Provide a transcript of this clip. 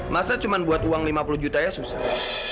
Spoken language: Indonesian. masa cuma buat uang lima puluh juta ya susah